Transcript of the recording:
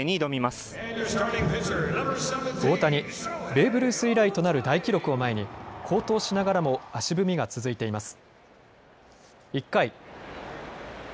ベーブ・ルース以来となるタイ記録を前に好投しながらも足踏みが続いています。